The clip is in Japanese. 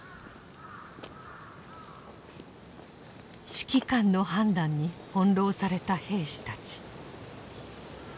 指揮官の判断に翻弄された兵士たち。